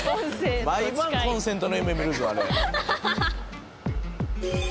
毎晩コンセントの夢見るぞあれ。